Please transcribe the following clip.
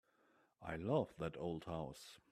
I love that old house.